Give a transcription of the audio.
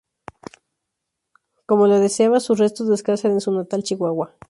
Como lo deseaba, sus restos descansan en su natal Chihuahua.